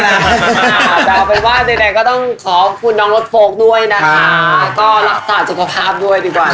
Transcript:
แต่เอาเป็นว่าใดก็ต้องขอบคุณน้องรถโฟลกด้วยนะคะก็รักษาสุขภาพด้วยดีกว่า